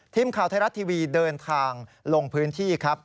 ทีมข่าวไทยรัฐทีวีเดินทางลงพื้นที่ครับ